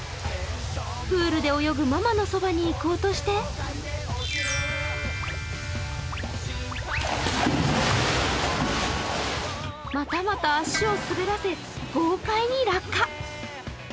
プールで泳ぐママのそばに行こうとしてまたまた足を滑らせ、豪快に落下。